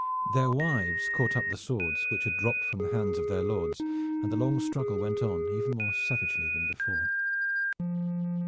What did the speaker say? Their wives caught up the swords which had dropped from the hands of their lords, and the long struggle went on even more savagely than before.